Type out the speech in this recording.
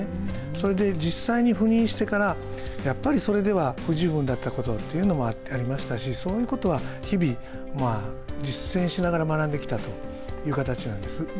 それで実際に赴任してからやっぱりそれでは不十分だったことというのもありましたしそのことは日々実践しながら学んでいきたいという形なんです。